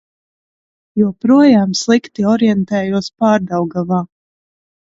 Joprojām slikti orientējos Pārdaugavā.